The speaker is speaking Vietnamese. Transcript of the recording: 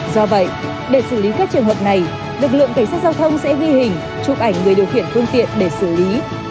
do vậy để xử lý các trường hợp này lực lượng cảnh sát giao thông sẽ ghi hình chụp ảnh người điều khiển phương tiện để xử lý